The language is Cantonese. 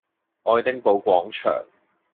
愛丁堡廣場